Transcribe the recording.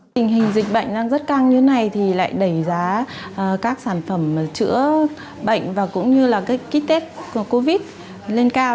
tình hình dịch bệnh đang rất căng như thế này thì lại đẩy giá các sản phẩm chữa bệnh và cũng như là ký tết covid lên cao